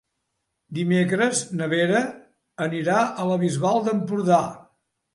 Dimecres na Vera anirà a la Bisbal d'Empordà.